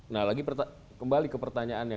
nah lagi kembali ke pertanyaannya